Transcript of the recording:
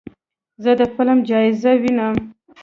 زه د فلم جایزه وینم.